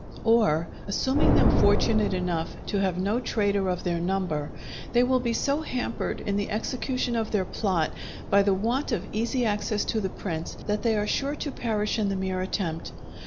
Or, assuming them fortunate enough to have no traitor of their number, they will be so hampered in the execution of their plot by the want of easy access to the prince, that they are sure to perish in the mere attempt.